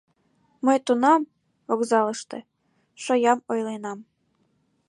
— Мый тунам, вокзалыште... шоям ойленам.